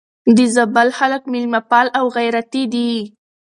د زابل خلک مېلمه پال او غيرتي دي.